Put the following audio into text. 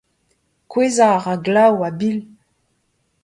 Kouezhañ a ra glav a-bil.